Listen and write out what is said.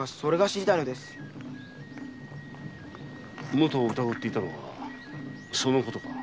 武藤を疑っていたのはそのことか？